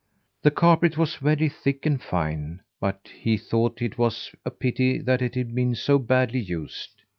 The carpet was very thick and fine, but he thought it was a pity that it had been so badly used.